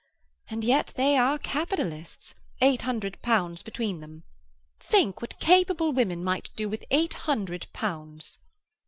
And yet they are capitalists; eight hundred pounds between them. Think what capable women might do with eight hundred pounds."